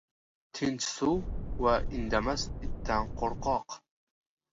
• Tinch suv va indamas itdan qo‘rq.